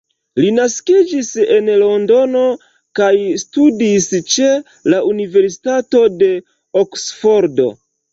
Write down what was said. Li naskiĝis en Londono kaj studis ĉe la Universitato de Oksfordo.